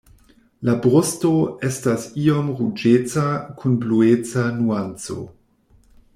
La brusto estas iom ruĝeca kun blueca nuanco.